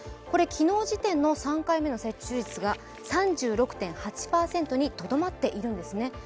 昨日時点の３回目の接種率で３６．８％にとどまっているんですね。